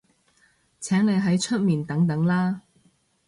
請你喺出面等等啦